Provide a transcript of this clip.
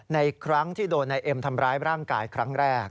ในครั้งที่โดนนายเอ็มทำร้ายร่างกายครั้งแรก